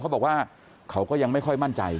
เขาบอกว่าเขาก็ยังไม่ค่อยมั่นใจ